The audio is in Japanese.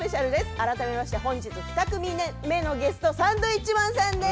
改めまして本日２組目のゲストサンドウィッチマンさんです。